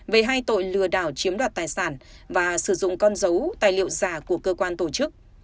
về hai tội lừa đảo chiếm đoạt tài sản và sử dụng con dấu tài liệu giả của cơ quan tổ chức